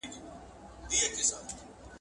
فشار د بدن انرژي کموي.